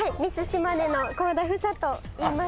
島根の幸田芙沙といいます。